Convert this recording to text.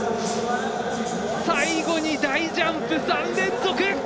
最後に大ジャンプ３連続！